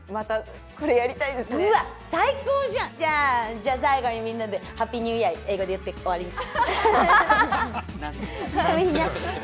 じゃあ最後にみんなでハッピーニューイヤー英語で言って終わりにしよ。